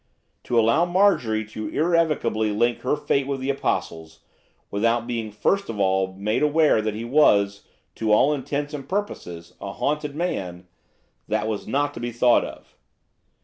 To allow Marjorie to irrevocably link her fate with the Apostle's, without being first of all made aware that he was, to all intents and purposes, a haunted man that was not to be thought of.